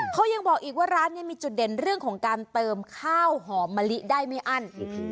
เขายังบอกอีกว่าร้านนี้มีจุดเด่นเรื่องของการเติมข้าวหอมมะลิได้ไม่อั้น